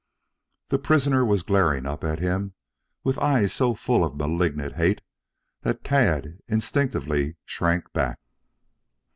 The prisoner was glaring up at him with eyes so full of malignant hate that Tad instinctively shrank back.